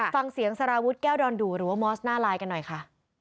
สารวุฒิแก้วดอนดูหรือว่ามอสหน้าลายกันหน่อยค่ะ